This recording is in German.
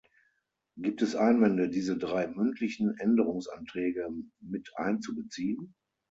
Gibt es Einwände, diese drei mündlichen Änderungsanträge miteinzubeziehen?